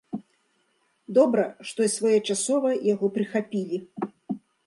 Добра, што своечасова яго прыхапілі.